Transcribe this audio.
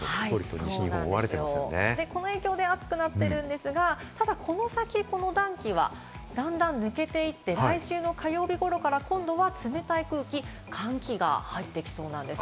この影響で暑くなってるんですが、ただこの先、この暖気はだんだん抜けていって、来週の火曜日頃から今度は冷たい空気、寒気が入ってきそうなんです。